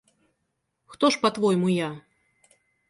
Хто ж па-твойму я?